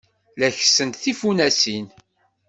La kessent tfunasin.